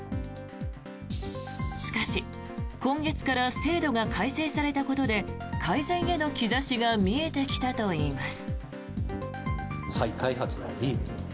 しかし、今月から制度が改正されたことで改善への兆しが見えてきたといいます。